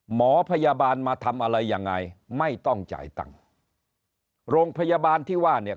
หมอพยาบาลมาทำอะไรยังไงไม่ต้องจ่ายตังค์โรงพยาบาลที่ว่าเนี่ย